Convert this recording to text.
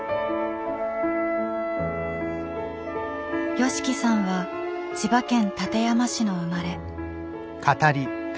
ＹＯＳＨＩＫＩさんは千葉県館山市の生まれ。